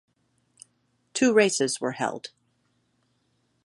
Two races were held.